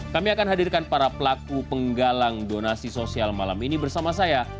kami akan hadirkan para pelaku penggalang donasi sosial malam ini bersama saya